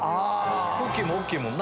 くっきー！も大きいもんな。